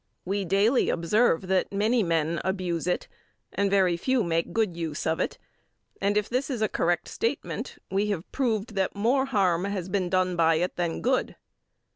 We daily observe that many men abuse it, and very few make good use of it, and if this is a correct statement, we have proved that more harm has been done by it than good.